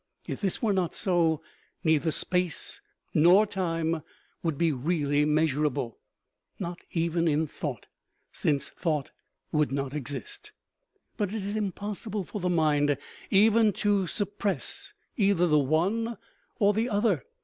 If this were not so, neither space nor time would be really measurable, not even in thought, since thought would not exist. But it is impossible for the mind even to suppress either the one or the other.